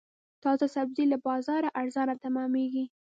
تازه سبزي له بازاره ارزانه تمامېږي.